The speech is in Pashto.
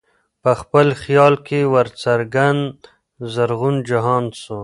په خپل خیال کي ورڅرګند زرغون جهان سو